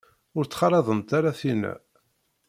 Ur ttxalaḍemt ara tinna.